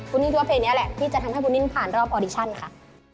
พูดนี้คือว่าเพลงนี้แหละที่จะทำให้พูดนี้ผ่านรอบออดิชันค่ะ